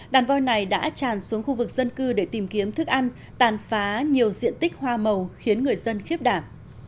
đàn voi này đã tràn xuống khu vực dân cư để tìm kiếm thức ăn tàn phá nhiều diện tích hoa màu khiến người dân khiếp đảm